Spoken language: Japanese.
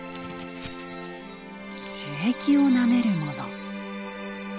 樹液をなめるもの。